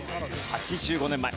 ８５年前。